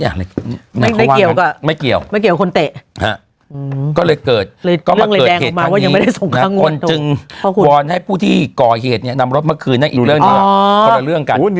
อ้าวพักกันก่อนช่วงหน้าแมวอ้วนติดลงเหล็ก